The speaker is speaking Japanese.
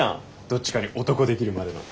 どっちかに男できるまでの。